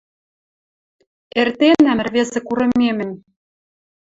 Эртенӓм ӹрвезӹ курымемӹм